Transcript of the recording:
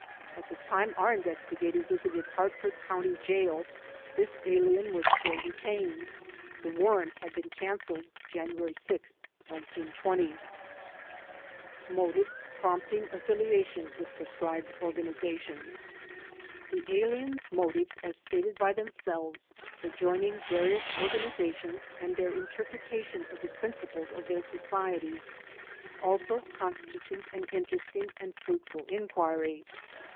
At the time our investi gator visited Hartford County Jail this alien was still detained. The warrant had been cancelled January 6, 1920. B. Motives Prompting Affiliation with Proscribed Organizations The aliens' motives as stated by themselves, for join ing various organizations and their interpretation of the principles of their societies also constitute an interesting 66 THE DBFOXTATION CASES and fruitful inquiry.